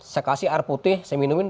saya kasih air putih saya minumin